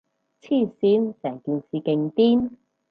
黐線，成件事勁癲